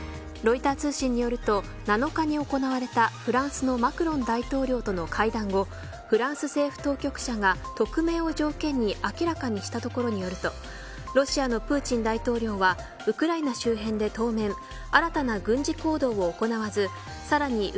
ロイター通信によりますと７日に行われたフランスのマクロン大統領との会談後フランス政府当局者が匿名を条件に明らかにしたところによるとロシアのプーチン大統領はウクライナ周辺で当面新たな軍事行動を行わずさらに